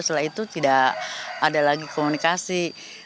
setelah itu tidak ada lagi komunikasi